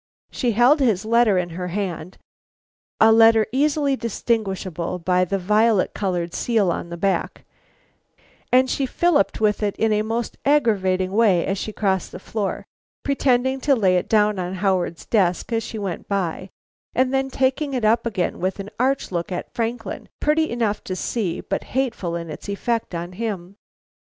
She held his letter in her hand, a letter easily distinguishable by the violet colored seal on the back, and she filliped with it in a most aggravating way as she crossed the floor, pretending to lay it down on Howard's desk as she went by and then taking it up again with an arch look at Franklin, pretty enough to see but hateful in its effect on him.